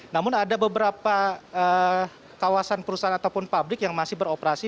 namun ada beberapa kawasan perusahaan ataupun pabrik yang masih beroperasi